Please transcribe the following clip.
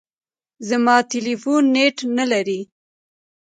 زما ټلیفون نېټ نه لري .